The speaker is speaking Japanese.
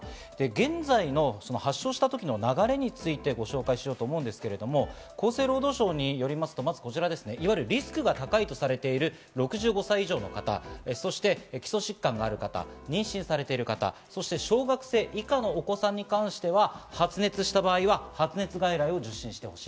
現在の発症した時の流れについて、ご紹介しようと思うんですが、厚生労働省によりますと、いわゆるリスクが高いとされている６５歳以上の方、基礎疾患がある方、妊娠されている方、小学生以下のお子さんに関しては発熱した場合は発熱外来を受診してほしい。